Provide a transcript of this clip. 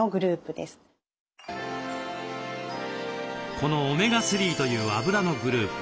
このオメガ３というあぶらのグループ